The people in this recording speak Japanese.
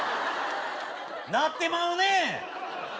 なってまうね！